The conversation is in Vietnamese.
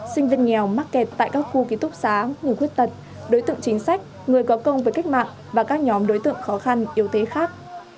sinh viên nghèo mắc kẹt tại các khu ký túc xá người khuyết tật đối tượng chính sách người có công với cách mạng và các nhóm đối tượng khó khăn yếu thế khác